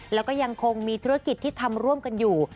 แล้วก็ยังคงมีธุรกิจที่ทำร่วมกันอยู่